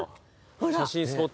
写真スポット？